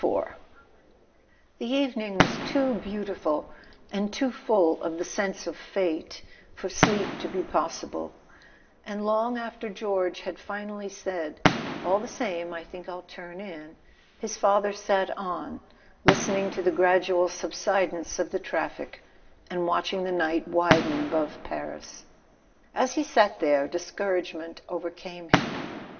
IV T HE evening was too beautiful, and too full of the sense of fate, for sleep to be possible, and long after George had finally said "All the same, I think I'll turn in," his father sat on, listening to the [ 39 ] A SON AT THE FRONT gradual subsidence of the traffic, and watching the night widen above Paris. As he sat there, discouragement overcame him.